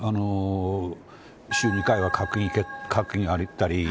週２回は閣議があったり